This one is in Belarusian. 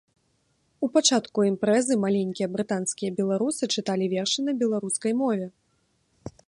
У пачатку імпрэзы маленькія брытанскія беларусы чыталі вершы на беларускай мове.